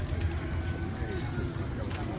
สวัสดีครับคุณผู้ชาย